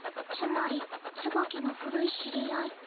つまりツバキの古い知り合い。